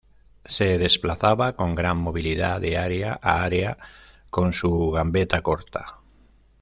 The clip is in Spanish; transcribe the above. Se desplazaba con gran movilidad de área a área con su gambeta corta.